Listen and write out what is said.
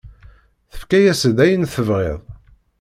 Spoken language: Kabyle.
Yefka-ak-d ayen tebɣiḍ.